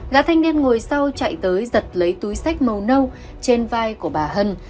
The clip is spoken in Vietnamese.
gã thanh niên ngồi sau chạy tới giật lấy túi sách màu nâu trên vai của bà hân